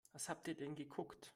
Was habt ihr denn geguckt?